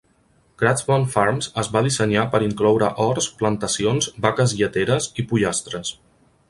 Craftsman Farms es va dissenyar per incloure horts, plantacions, vaques lleteres i pollastres.